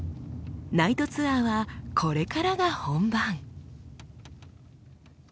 ナイトツアーはこれからが本番！